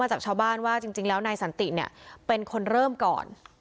จากชาวบ้านว่าจริงแล้วนายสันติเนี่ยเป็นคนเริ่มก่อน